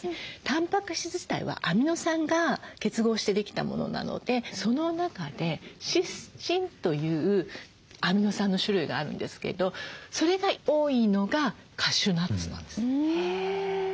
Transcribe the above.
たんぱく質自体はアミノ酸が結合してできたものなのでその中でシスチンというアミノ酸の種類があるんですけどそれが多いのがカシューナッツなんです。